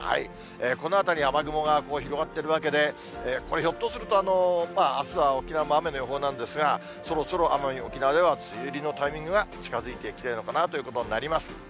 この辺りに雨雲が広がってるわけで、これ、ひょっとすると、あすは沖縄も雨の予報なんですが、そろそろ、奄美・沖縄では、梅雨入りのタイミングが近づいてきているのかなということになります。